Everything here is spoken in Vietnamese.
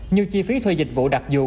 như chi phí thuê dịch vụ đặc dù